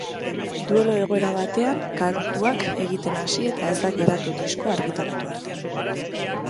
Duelo egoera batean kantuak egiten hasi eta ez da geratu diskoa argitaratu arte.